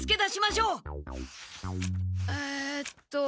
えっと。